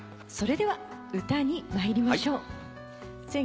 それでは歌に参りましょう。